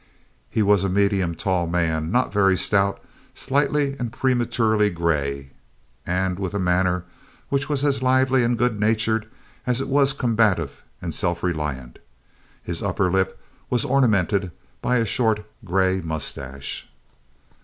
He was a medium tall man, not very stout, slightly and prematurely gray, and with a manner which was as lively and good natured as it was combative and self reliant. His upper lip was ornamented by a short, gray mustache.